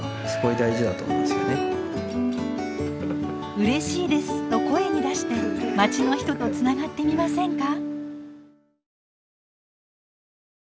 「うれしいです」と声に出してまちの人とつながってみませんか？